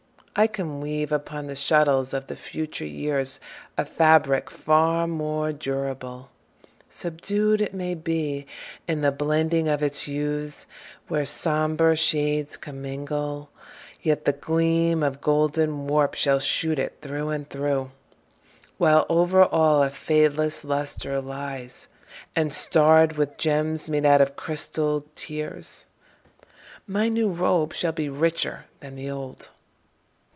I can weave Upon the shuttles of the future years A fabric far more durable. Subdued, It may be, in the blending of its hues, Where somber shades commingle, yet the gleam Of golden warp shall shoot it through and through, While over all a fadeless luster lies, And starred with gems made out of crystalled tears, My new robe shall be richer than the old.